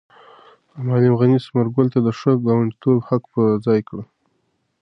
معلم غني ثمر ګل ته د ښه ګاونډیتوب حق په ځای کړ.